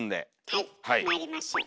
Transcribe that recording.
はいまいりましょう。